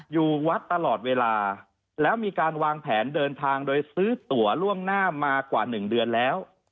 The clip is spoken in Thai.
อยู่วัดตลอดเวลาแล้วมีการวางแผนเดินทางโดยซื้อตัวล่วงหน้ามากว่า๑เดือนแล้ว